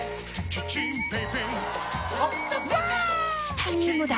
チタニウムだ！